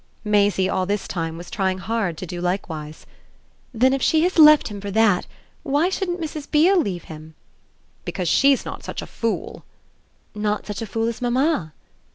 Maisie all this time was trying hard to do likewise. "Then if she has left him for that why shouldn't Mrs. Beale leave him?" "Because she's not such a fool!" "Not such a fool as mamma?"